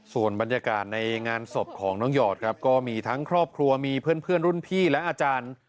ส่วนบรรยากาศในงานศพของน้องหยอดครับก็มีทั้งครอบครัวมีเพื่อนรุ่นพี่และอาจารย์